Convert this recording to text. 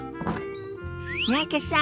三宅さん